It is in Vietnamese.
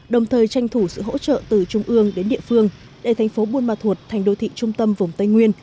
đồng thời tranh thủ sự hỗ trợ từ trung ương đến địa phương để thành phố buôn ma thuột thành đô thị trung tâm vùng tây nguyên